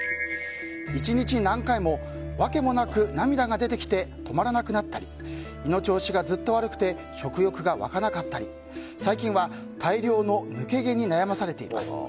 １日何回も訳もなく涙が出てきて止まらなくなったり胃の調子がずっと悪くて食欲が湧かなかったり最近は大量の抜け毛に悩まされています。